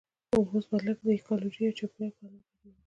اوس به لږ د ایکولوژي یا چاپیریال په اړه وغږیږو